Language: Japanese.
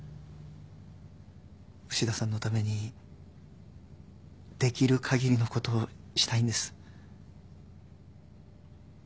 牛田さんのためにできる限りのことをしたいんです